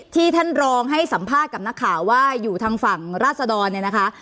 ที่ท่านรองให้สัมภาษณ์กับหน้าข่าวว่าอยู่ทางฝั่งราชดรนะคะ